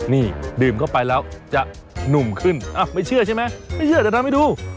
นี่ดื่มเข้าไปแล้วจะหนุ่มขึ้นไม่เชื่อใช่ไหมไม่เชื่อเดี๋ยวทำให้ดู